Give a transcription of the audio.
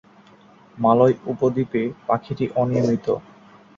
মালয় উপদ্বীপে পাখিটি অনিয়মিত।